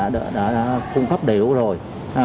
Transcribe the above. đã cung cấp đầy đủ rồi